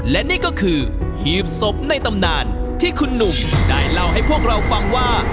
และนี่ก็คือหีบศพในตำนานที่คุณหนุ่มได้เล่าให้พวกเราฟังว่า